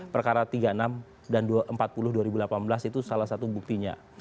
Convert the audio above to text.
perkara tiga puluh enam dan empat puluh dua ribu delapan belas itu salah satu buktinya